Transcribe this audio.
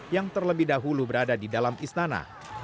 yang terlebih dahulu berada di dalam istana